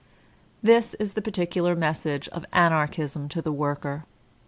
This is the particular message of Anarchism to the worker.